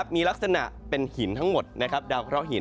มีลักษณะเป็นหินทั้งหมดดาวเคราะหิน